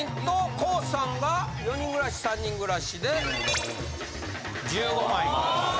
ＫＯＯさんが４人暮らし３人暮らしで１５万円。